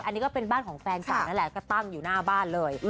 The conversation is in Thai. อันนี้ก็เป็นบ้านของแฟนเก่านั่นแหละก็ตั้งอยู่หน้าบ้านเลย